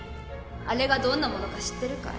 あれがどんなものか知ってるかい？